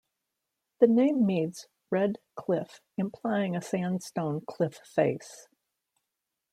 The name means 'red cliff', implying a sandstone cliff-face.